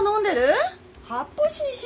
発泡酒にしなよ。